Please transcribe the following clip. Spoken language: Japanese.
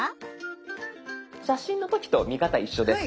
写真の時と見方一緒です。